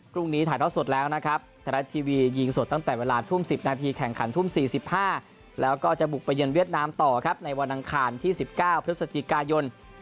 ถ่ายทอดสดแล้วนะครับไทยรัฐทีวียิงสดตั้งแต่เวลาทุ่ม๑๐นาทีแข่งขันทุ่ม๔๕แล้วก็จะบุกไปเยือนเวียดนามต่อครับในวันอังคารที่๑๙พฤศจิกายน